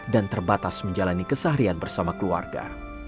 dan terbatas menjalani kesaharian bersama keluarga